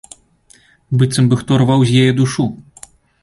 Быццам бы хто рваў з яе душу.